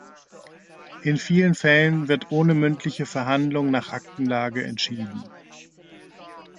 In vielen Fällen wird ohne mündliche Verhandlung nach Aktenlage entschieden.